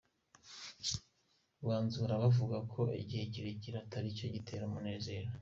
Banzura bavuga ko igihe kirekire atari cyo gitera umunezero.